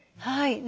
はい。